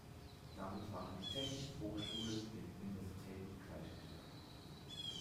Damit waren die Technischen Hochschulen den Universitäten gleichgestellt.